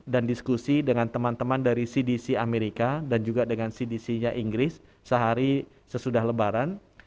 dan diskusi dengan teman teman dari cdc amerika dan juga dengan cdc nya inggris sehari sesudah lebaran